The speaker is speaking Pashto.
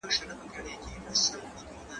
ته ولي قلم کاروې!.